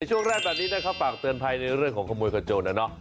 ช่วงแรกแบบนี้นะครับฝากเตือนภัยในเรื่องของขโมยขจนนะเนาะ